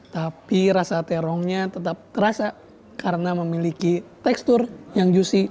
tapi rasa terongnya tetap terasa karena memiliki tekstur yang juicy